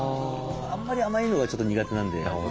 あんまり甘いのがちょっと苦手なんで。